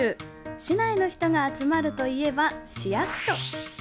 市内の人が集まるといえば市役所。